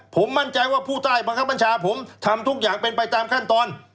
ผมมั่นใจว่าผู้ใต้บังคับบัญชาผมทำทุกอย่างเป็นไปตามขั้นตอน